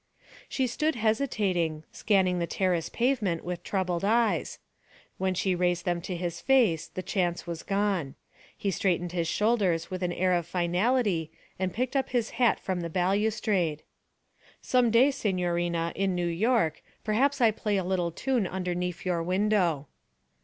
She stood hesitating, scanning the terrace pavement with troubled eyes; when she raised them to his face the chance was gone. He straightened his shoulders with an air of finality and picked up his hat from the balustrade. 'Some day, signorina, in New York, perhaps I play a little tune underneaf your window.'